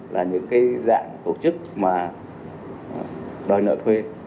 là những cái dạng tổ chức mà đòi nợ thuê